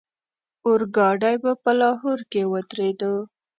اورګاډی به په لاهور کې ودرېدو.